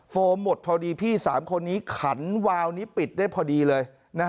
โมหมดพอดีพี่๓คนนี้ขันวาวนี้ปิดได้พอดีเลย